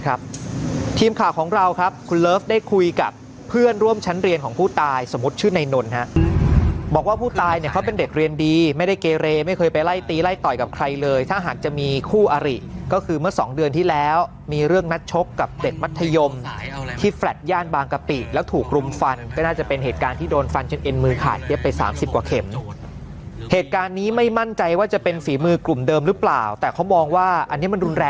นะครับทีมข่าวของเราครับคุณเลิฟได้คุยกับเพื่อนร่วมชั้นเรียนของผู้ตายสมมุติชื่อในนนท์ฮะบอกว่าผู้ตายเนี่ยเขาเป็นเด็กเรียนดีไม่ได้เกเรไม่เคยไปไล่ตีไล่ต่อยกับใครเลยถ้าหากจะมีคู่อริก็คือเมื่อสองเดือนที่แล้วมีเรื่องนัดชกกับเด็กมัธยมที่แฟลท์ย่านบางกะปิแล้วถูกรุมฟันก็น่าจะเป็นเหตุการ